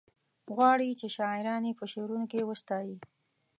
غواړي چې شاعران یې په شعرونو کې وستايي.